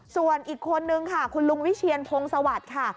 ส่วนอีกคนนึงค่ะคุณลุงวิเชียนพงศวรรค์ค่ะ